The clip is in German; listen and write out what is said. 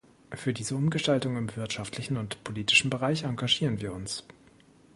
Für diese Umgestaltung im wirtschaftlichen und politischen Bereich engagieren wir uns.